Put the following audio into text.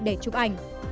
để chụp ảnh